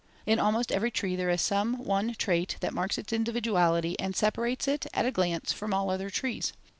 In almost every tree there is some one trait that marks its individuality and separates it, at a glance, from all other trees.